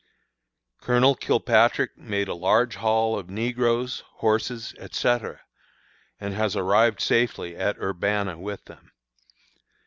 Colonel Kilpatrick made a large haul of negroes, horses, &c., and has arrived safely at Urbanna with them.